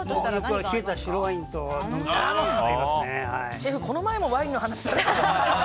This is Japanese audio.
シェフ、この前もワインの話されてましたね。